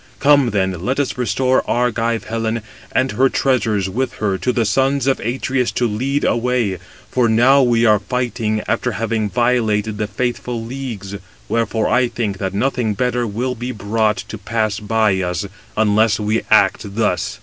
Come then, let us restore Argive Helen, and her treasures with her to the sons of Atreus to lead away; for now we are fighting after having violated the faithful leagues. Wherefore I think that nothing better will be brought to pass by us, unless we act thus."